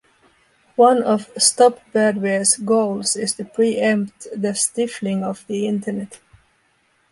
One of StopBadware's goals is to "preempt" the stifling of the Internet.